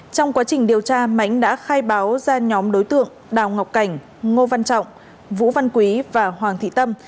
trong quá trình điều tra mánh đã khai báo ra nhóm đối tượng đào ngọc cảnh ngô văn trọng vũ văn quý và hoàng thị tâm